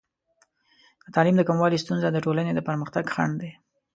د تعلیم د کموالي ستونزه د ټولنې د پرمختګ خنډ دی.